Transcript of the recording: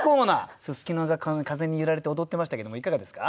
すすきが風に揺られて踊ってましたけどもいかがですか？